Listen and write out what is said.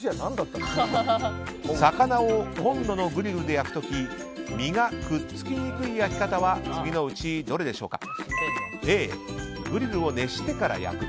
魚をコンロのグリルで焼く時身がくっつきにくい焼き方は次のうちどれでしょうか。